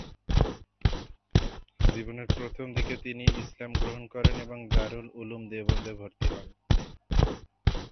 জীবনের প্রথমদিকে তিনি ইসলাম গ্রহণ করেন এবং দারুল উলুম দেওবন্দে ভর্তি হন।